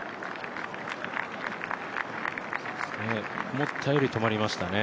思ったより止まりましたね。